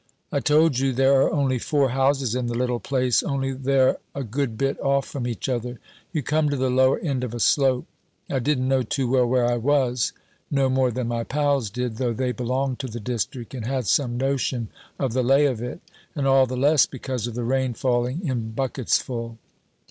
"I told you there are only four houses in the little place, only they're a good bit off from each other. You come to the lower end of a slope. I didn't know too well where I was, no more than my pals did, though they belonged to the district and had some notion of the lay of it and all the less because of the rain falling in bucketsful.